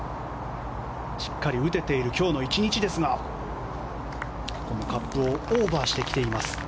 しっかり打てている今日の１日ですがカップをオーバーしてきています。